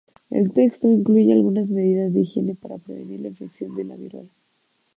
El texto incluye algunas medidas de higiene para prevenir la infección de viruela.